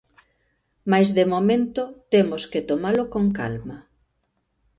Mais de momento temos que tomalo con calma.